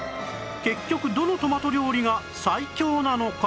結局どのトマト料理が最強なのか？